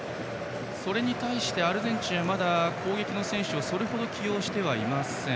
それに対してアルゼンチンはまだ攻撃の選手をそれほど起用していません。